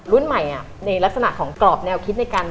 รุ่นใหม่ในลักษณะของกรอบแนวคิดในการ